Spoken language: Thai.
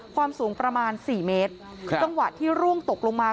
ความสูงประมาณสี่เมตรจังหวะที่ร่วงตกลงมา